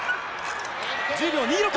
１０秒２６！